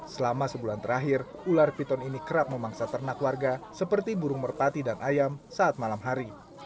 selama sebulan terakhir ular piton ini kerap memangsa ternak warga seperti burung merpati dan ayam saat malam hari